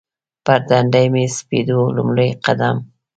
پر تندي مې سپېدو لومړی قدم